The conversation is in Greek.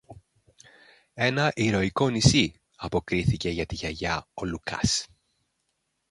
Ένα ηρωικό νησί, αποκρίθηκε για τη Γιαγιά ο Λουκάς.